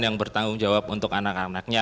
yang bertanggung jawab untuk anak anaknya